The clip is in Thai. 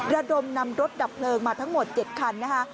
ระดมนำรถดับเพลิงมาทั้งหมด๗คันนะคะ